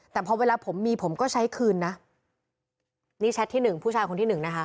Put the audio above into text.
แต่พอเวลาผมมีผมก็ใช้คืนนะนี่แชทที่หนึ่งผู้ชายคนที่หนึ่งนะคะ